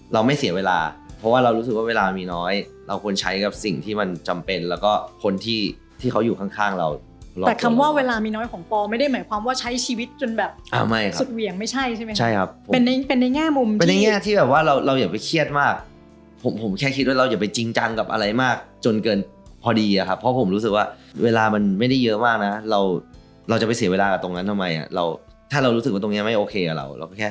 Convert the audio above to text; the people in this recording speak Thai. เรารู้สึกว่าเวลามีน้อยเราควรใช้กับสิ่งที่มันจำเป็นแล้วก็คนที่ที่เขาอยู่ข้างเราแต่คำว่าเวลามีน้อยของปอไม่ได้หมายความว่าใช้ชีวิตจนแบบไม่สุดเหวี่ยงไม่ใช่ใช่ไหมครับเป็นในแง่มุมที่แบบว่าเราอย่าไปเครียดมากผมแค่คิดว่าเราอย่าไปจริงจังกับอะไรมากจนเกินพอดีเพราะผมรู้สึกว่าเวลามันไม่ได้เยอะมากนะ